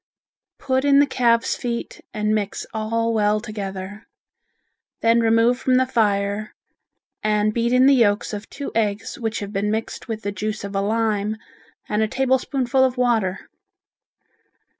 Put in the calves' feet and mix all well together. Then remove from the fire and beat in the yolks of two eggs which have been mixed with the juice of a lime and a tablespoonful of water.